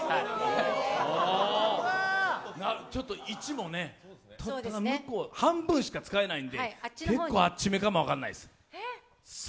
ちょっと位置もね、半分しか使えないんで結構あっちめかも分からないです。